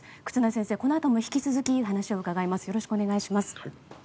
忽那先生、このあとも引き続き話を伺います。